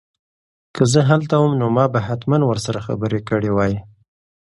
که زه هلته وم نو ما به حتماً ورسره خبرې کړې وای.